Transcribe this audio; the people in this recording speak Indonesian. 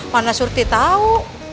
mana surti tau